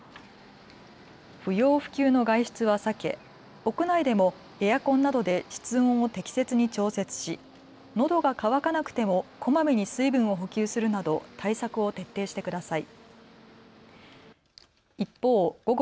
不要不急の外出は避け屋内でもエアコンなどで室温を適切に調節し、のどが渇かなくてもこまめに水分を補給するなど対策を徹底してください。